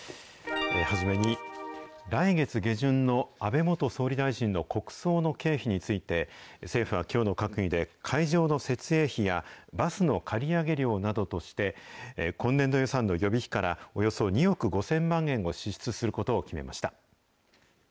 初めに、来月下旬の安倍元総理大臣の国葬の経費について、政府はきょうの閣議で、会場の設営費やバスの借り上げ料などとして、今年度予算の予備費から、およそ２億５０００万円を支出することを決めました。